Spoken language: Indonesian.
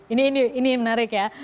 ini ini menarik ya